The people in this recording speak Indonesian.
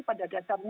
rawatan saat ini